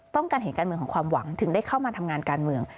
ต้องการเห็นการเมืองของความหวังถึงได้เข้ามาทำงานการเมือง